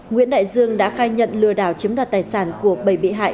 nguyễn đại dương đã khai nhận lừa đảo chiếm đoạt tài sản của bảy bị hại